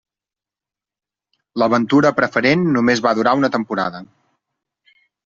L'aventura a preferent només va durar una temporada.